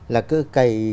là cứ cầy